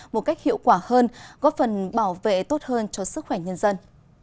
một cách hiệu quả hơn góp phần bảo vệ tốt hơn cho sức khỏe nhân dân